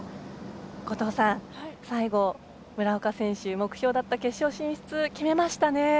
後藤さん、最後村岡選手が目標だった決勝進出を決めました。